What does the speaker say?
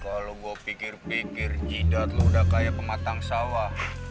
kalau gue pikir pikir jidat lo udah kayak pematang sawah